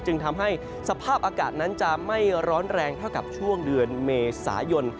จึงทำให้สภาพอากาศนั้นจะไม่ร้อนแรงเท่ากับช่วงเดือนเมษายน